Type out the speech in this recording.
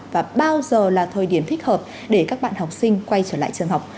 và bao giờ là thời điểm thích hợp để các bạn học sinh quay trở lại trường học